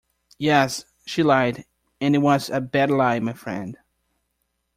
Yes, she lied, and it was a bad lie, my friend.